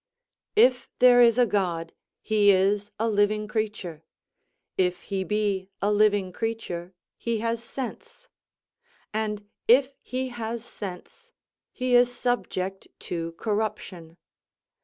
"If there is a God, he is a living creature; if he be a living creature, he has sense; and if he has sense, he is subject to corruption.